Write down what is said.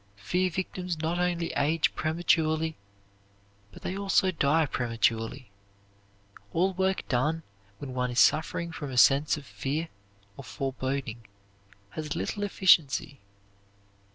Fear victims not only age prematurely but they also die prematurely. All work done when one is suffering from a sense of fear or foreboding has little efficiency.